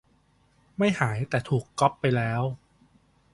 ไม่หาย แต่ถูกก๊อปไปแล้ว?